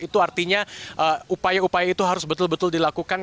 itu artinya upaya upaya itu harus betul betul dilakukan